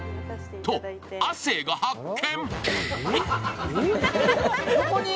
と、亜生が発見。